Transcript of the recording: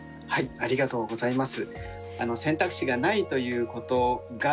ありがとうございます。